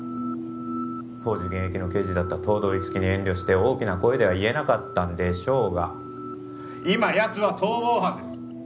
当時現役の刑事だった東堂樹生に遠慮して大きな声では言えなかったんでしょうが今やつは逃亡犯です